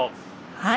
はい！